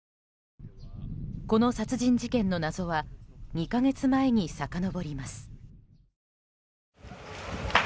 この殺人事件の謎は２か月前にさかのぼります。